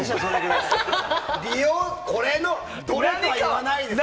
これのどれとは言わないですよ。